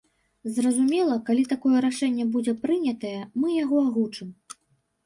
Зразумела, калі такое рашэнне будзе прынятае, мы яго агучым.